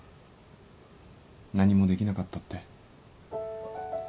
何もできなかったって。